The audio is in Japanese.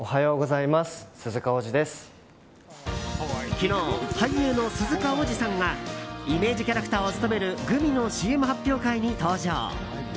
昨日、俳優の鈴鹿央士さんがイメージキャラクターを務めるグミのＣＭ発表会に登場。